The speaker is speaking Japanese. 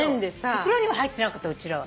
袋には入ってなかったうちらは。